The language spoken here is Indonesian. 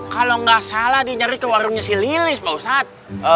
kalau nggak salah dinyari ke warungnya si lilis pak ustadz